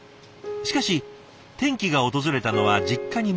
しかし転機が訪れたのは実家に戻った大学時代。